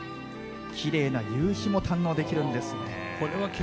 きれいな夕日も堪能できるんですね。